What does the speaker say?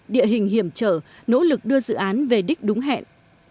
địa hình hiểm trở nỗ lực đưa dự án về đích đúng hẹn